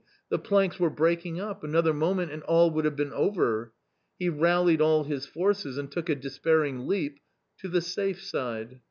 the planks were breaking up — another moment and all would have been over ! He rallied all his forces and took a despairing leap .... to the safe side.